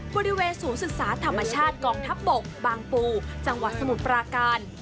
บริเวณศูนย์ศึกษาธรรมชาติกองทัพบกบางปูจังหวัดสมุทรปราการ